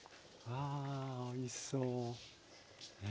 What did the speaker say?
わあおいしそう。